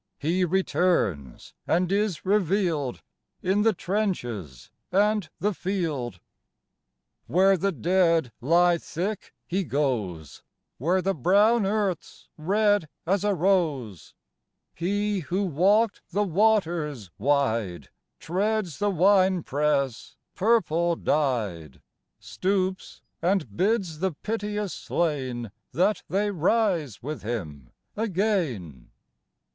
He returns and is revealed In the trenches and the field. Where the dead lie thick He goes, Where the brown earth's red as a rose, He who walked the waters wide Treads the wine press, purple dyed, Stoops, and bids the piteous slain That they rise with Him again.